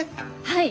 はい。